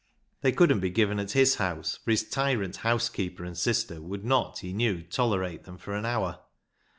They couldn't be given at his house, for his tyrant housekeeper and sister would not, he knew, tolerate them for an hour.